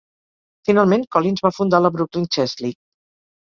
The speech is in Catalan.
Finalment Collins va fundar la Brooklyn Chess League.